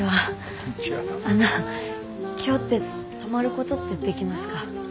あの今日って泊まることってできますか？